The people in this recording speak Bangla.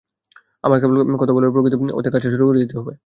আবার কেবল কথা বললেই হবে না, প্রকৃত অর্থে কাজটা শুরু করে দিতে হবে।